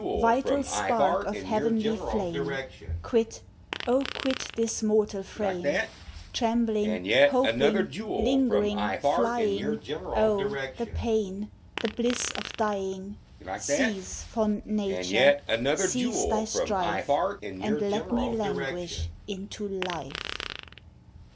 Vital spark of heavenly flame! Quit, O quit this mortal frame! Trembling, hoping, lingering, flying, O, the pain, the bliss of dying ! Cease, fond nature, cease thy strife, And let me languish into life